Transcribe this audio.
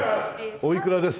おいくらですって？